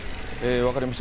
分かりました。